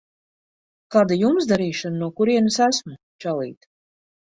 Kāda Jums darīšana no kurienes esmu, čalīt?